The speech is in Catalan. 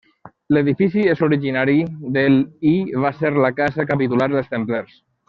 L'edifici és originari del i va ser la casa capitular dels templers.